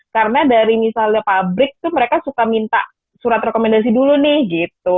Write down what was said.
karena dari misalnya pabrik tuh mereka suka minta surat rekomendasi dulu nih gitu